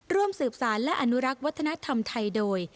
ร่วมสืบสารและอนุรักษ์วัฒนธรรมไทยโดย